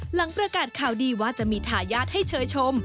หลังประกาศข่าวดีว่าจะมีทายาทให้เชยชม